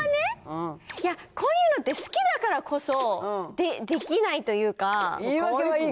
いや、こういうのって好きだからこそ、できないというか。